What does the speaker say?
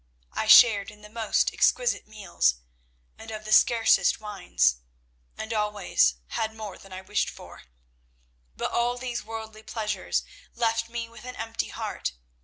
I shared in the most exquisite meals, and of the scarcest wines, and always had more than I wished for. But all these worldly pleasures left me with an empty heart.